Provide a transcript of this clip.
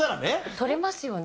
取れますよね？